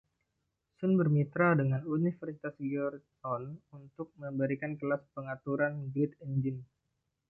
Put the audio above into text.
Sun bermitra dengan Universitas Georgetown untuk memberikan kelas pengaturan Grid Engine.